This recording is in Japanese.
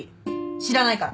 知らないから。